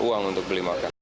uang untuk beli makan